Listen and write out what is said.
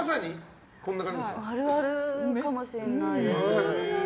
あるあるかもしれないです。